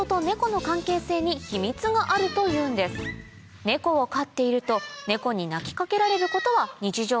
このネコを飼っているとネコに鳴きかけられることは日常